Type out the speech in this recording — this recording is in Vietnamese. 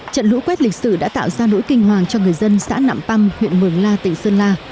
trận lũ quét lịch sử đã tạo ra nỗi kinh hoàng cho người dân xã nạm păm huyện mường la tỉnh sơn la